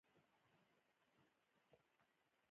ځوانان هلته خپل وخت تیروي.